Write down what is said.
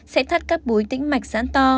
sẽ thắt các búi tĩnh mạch giãn to